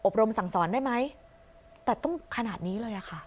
รมสั่งสอนได้ไหมแต่ต้องขนาดนี้เลยอะค่ะ